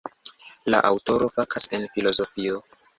La aŭtoro fakas en filozofio.